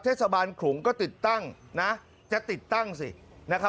ขลุงก็ติดตั้งนะจะติดตั้งสินะครับ